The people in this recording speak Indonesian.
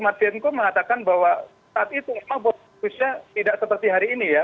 tapi yang aku mengatakan bahwa saat itu memang posisinya tidak seperti hari ini ya